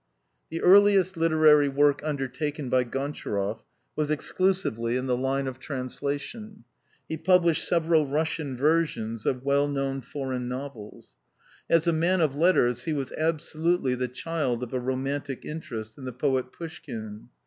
The earliest literary work undertaken by Gontcharoff, was exclusively in the line of translation. He published several Russian versions of well known foreign novels. As a man of letters, he was absolutely the child of a romantic interest in the poet Pouschkine.